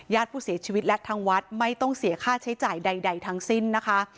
ผู้เสียชีวิตและทางวัดไม่ต้องเสียค่าใช้จ่ายใดทั้งสิ้นนะคะ